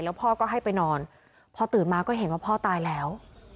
พ่อก็ให้ไปนอนพอตื่นมาก็เห็นว่าพ่อตายแล้ว